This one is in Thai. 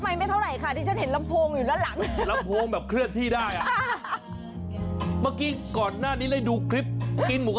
อีกครั้งหนึ่งเธอคงไม่ใจหรอก